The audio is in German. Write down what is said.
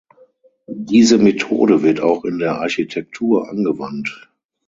Diese Methode wird auch in der Architektur angewandt.